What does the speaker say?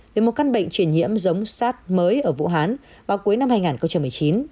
về một căn bệnh truyền nhiễm giống sars mới ở vũ hán vào cuối năm hai nghìn một mươi chín